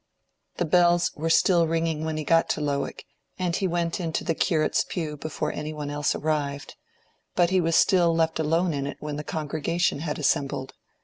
The bells were still ringing when he got to Lowick, and he went into the curate's pew before any one else arrived there. But he was still left alone in it when the congregation had assembled.